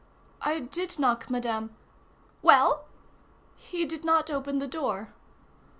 "I did knock, Madame." "Well?" "He did not open the door."